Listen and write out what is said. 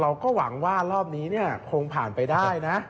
เราก็หวังว่ารอบนี้คงผ่านไปได้นะ